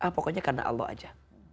pokoknya karena allah aja